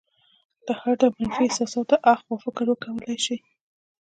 له هر ډول منفي احساساتو اخوا فکر وکولی شي.